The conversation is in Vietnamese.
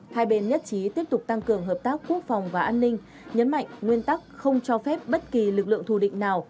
hai bên nhất trí tiếp tục tăng cường hợp tác quốc phòng và an ninh nhấn mạnh nguyên tắc không cho phép bất kỳ lực lượng thù định nào